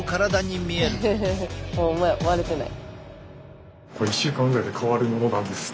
ほんまや割れてない。